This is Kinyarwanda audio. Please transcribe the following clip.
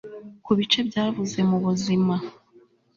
kubice byabuze mubuzima